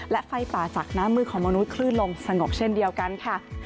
และไฟป่าจากน้ำมือของมนุษยคลื่นลมสงบเช่นเดียวกันค่ะ